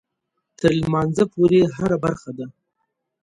تر لمانځه پورې هره برخه ده.